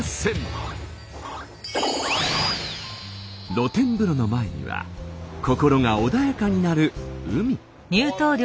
露天風呂の前には心が穏やかになる海。